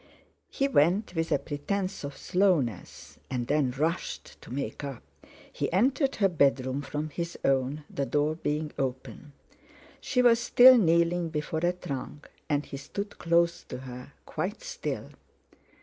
He went, with a pretence of slowness, and then rushed, to make up. He entered her bedroom from his own, the door being open. She was still kneeling before a trunk, and he stood close to her, quite still.